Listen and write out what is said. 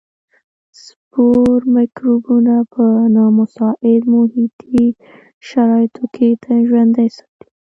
سپور مکروبونه په نامساعدو محیطي شرایطو کې ژوندي ساتي.